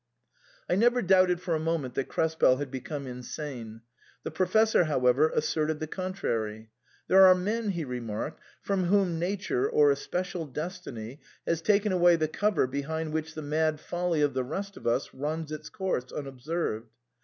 I never doubted for a moment that Krespel had be come insane ; the Professor, however, asserted the con trary. " There are men," he remarked, " from whom nature or a special destiny has taken away the cover behind which the mad folly of the rest of us runs its course unobserved.